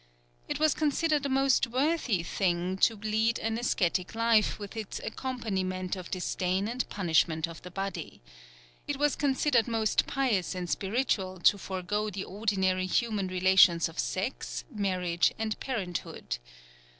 It was considered a most worthy thing to lead an ascetic life with its accompaniment of disdain and punishment of the body. It was considered most pious and spiritual to forego the ordinary human relations of sex, marriage and parenthood.